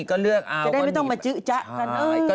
ก็เลือกจะได้ไม่ต้องมาจื้อจ๊ะกัน